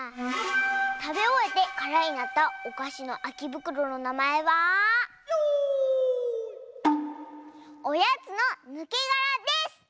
たべおえてからになったおかしのあきぶくろのなまえは「おやつのぬけがら」です！